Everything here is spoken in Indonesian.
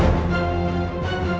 aku mau ke rumah